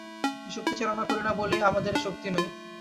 এই শক্তি চালনা করি না বলিয়াই আমাদের এ শক্তি নাই।